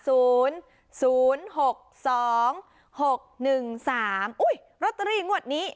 อุ๊ยล็อตเตอรี่งวดนี้